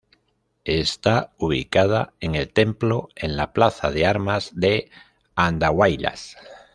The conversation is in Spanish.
Está ubicada en El templo en la plaza de armas de Andahuaylas.